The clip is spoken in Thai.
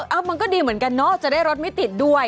มันก็ดีเหมือนกันเนาะจะได้รถไม่ติดด้วย